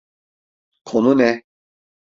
Konu ne?